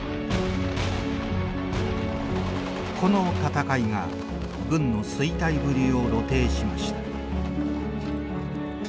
この戦いが軍の衰退ぶりを露呈しました。